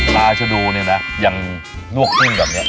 ปลาชะโดเนี่ยนะอย่างหนวกหพึงแบบนี้